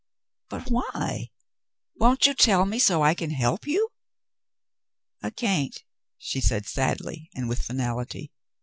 "But why? Won't you tell me so I may help you?" "I can't," she said sadly and with finality.